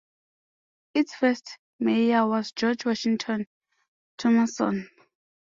Its first mayor was George Washington Thomason.